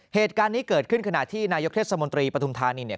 เหตุการณ์นี้เกิดขึ้นขณะที่นายกเทศมนตรีปฐุมธานีเนี่ย